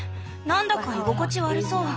何だか居心地悪そう。